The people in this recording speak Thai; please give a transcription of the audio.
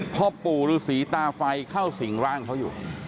พ่อปู่ฤษีตาไฟเข้าสิ่งร่างเขาอยู่